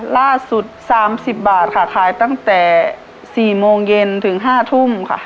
ล่าสุดสามสิบบาทค่ะขายตั้งแต่สี่โมงเย็นถึงห้าทุ่มค่ะ